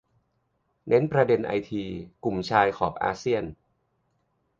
เน้นประเด็นไอที-กลุ่มชายขอบ-อาเซียน